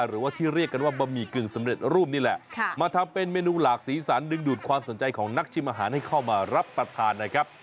หรือว่าที่เรียกกันว่าบะหมี่กึ่งสำเร็จรูปนี่แหละมาทำเป็นเมนูหลากสีสันดึงดูดความสนใจของนักชิมอาหารให้เข้ามารับประทานนะครับ